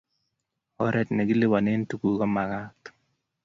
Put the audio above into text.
Oret ne kilipane tuguk kumagat